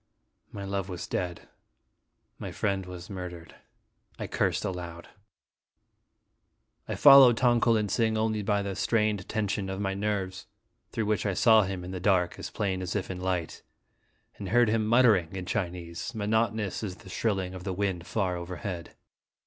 My love was dead. My friend was murdered. I cursed aloud. I followed Tong ko lin sing only by the strained tension of my nerves, through which I saw him in the dark, as plain as if in light, and heard him mutter ing in Chinese, monotonous as the shrilling of the wind far overhead.